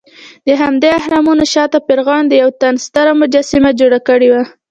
دهمدې اهرامونو شاته فرعون د یوه تن ستره مجسمه جوړه کړې وه.